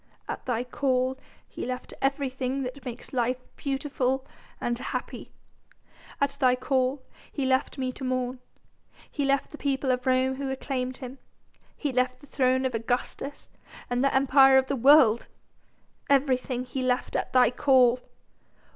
"At thy call he left everything that makes life beautiful and happy: at thy call he left me to mourn, he left the people of Rome who acclaimed him, he left the throne of Augustus and the Empire of the world! Everything he left at thy call!